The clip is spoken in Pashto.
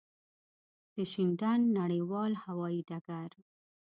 د شینډنډ نړېوال هوایی ډګر.